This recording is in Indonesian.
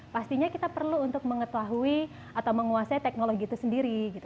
pastinya kita perlu untuk mengetahui atau menguasai teknologi itu sendiri gitu